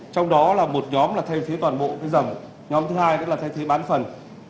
trong đó là một nhóm là thay thế toàn bộ cái dòng nhóm thứ hai nữa là thay thế bán phần